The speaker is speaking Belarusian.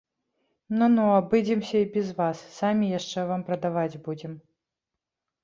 Ну-ну, абыдземся і без вас, самі яшчэ вам прадаваць будзем!